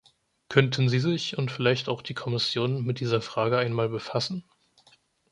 Könnten Sie sich und vielleicht auch die Kommission mit dieser Frage einmal befassen?